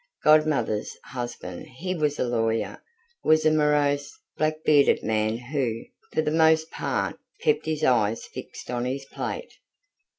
Godmother's husband he was a lawyer was a morose, black bearded man who, for the most part, kept his eyes fixed on his plate.